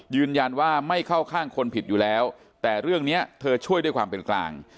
ยืนยันว่าไม่เข้าข้างคนผิดอยู่แล้วแต่เรื่องนี้เธอช่วยด้วยความเป็นกลาง